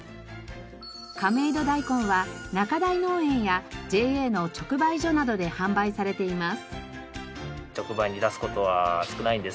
亀戸ダイコンは中代農園やＪＡの直売所などで販売されています。